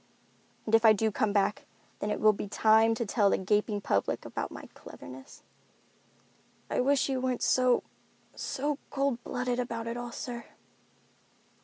And if I do come back, then it will be time to tell the gaping public about my cleverness." "I wish you weren't so—so cold blooded about it all, sir."